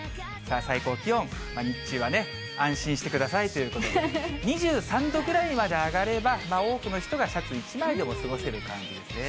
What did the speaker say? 最高気温、日中は安心してくださいということで、２３度ぐらいまで上がれば、多くの人がシャツ１枚でも過ごせる感じですね。